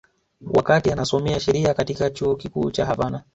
Wakati anasomea sheria katika Chuo Kikuu cha Havana